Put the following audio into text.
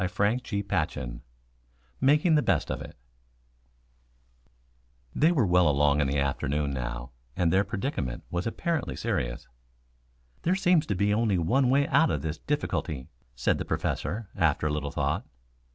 CHAPTER VI MAKING THE BEST OF IT They were well along in the afternoon now and their predicament was apparently serious. "There seems to be only one way out of the difficulty," said the Professor, after a little thought.